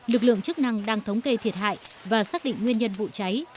lực lượng chức năng đang thống kê thiệt hại và xác định nguyên nhân vụ cháy